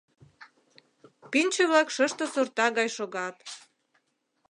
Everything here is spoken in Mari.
Пӱнчӧ-влак шыште сорта гай шогат.